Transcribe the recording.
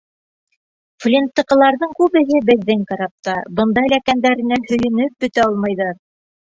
Флинттыҡыларҙың күбеһе беҙҙең карапта, бында эләккәндәренә һөйөнөп бөтә алмайҙар.